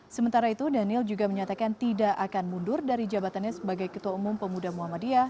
sementara itu daniel juga menyatakan tidak akan mundur dari jabatannya sebagai ketua umum pemuda muhammadiyah